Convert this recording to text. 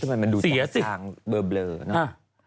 ทำไมมันดูต่างเบอร์เนอะ